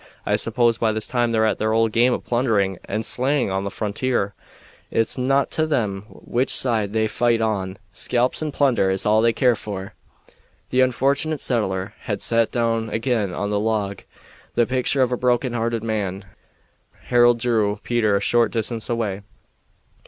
I suppose by this time they're at their old game of plundering and slaying on the frontier. It's naught to them which side they fight on; scalps and plunder is all they care for." The unfortunate settler had sat down again on the log, the picture of a broken hearted man. Harold drew Peter a short distance away.